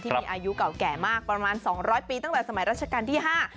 มีอายุเก่าแก่มากประมาณสองร้อยปีตั้งแต่สมัยราชการที่ห้า